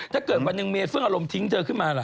ถ้าเกิดวันหนึ่งเมียเพิ่งอารมณ์ทิ้งเธอขึ้นมาล่ะ